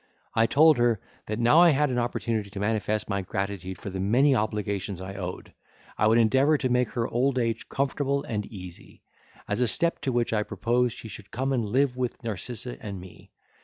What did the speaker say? I told her, that now I had an opportunity to manifest my gratitude for the many obligations I owed, I would endeavour to make her old age comfortable and easy; as a step to which I proposed she should come and live with Narcissa and me.